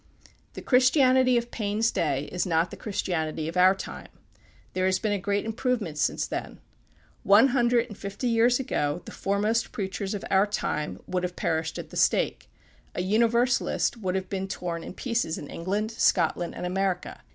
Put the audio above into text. The Christianity of Paine's day is not the Christianity of our time. There has been a great improvement since then. One hundred and fifty years ago the foremost preachers of our time would have perished at the stake, A Universalist would have been torn in pieces in England, Scotland, and America.